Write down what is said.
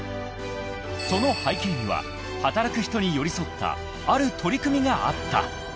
［その背景には働く人に寄り添ったある取り組みがあった］